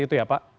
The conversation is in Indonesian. seperti itu ya pak